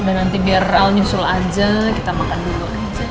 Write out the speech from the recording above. udah nanti biar hal nyusul aja kita makan dulu aja ya